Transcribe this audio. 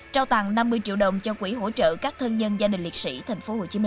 trao tặng năm mươi triệu đồng cho quỹ hỗ trợ các thân nhân gia đình liệt sĩ tp hcm